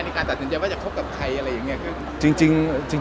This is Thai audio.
มีการตัดสินใจว่าจะคบกับใครอะไรอย่างนี้